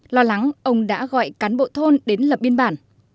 lo lắng ông đã gọi cán bộ thôn đến lập biên bản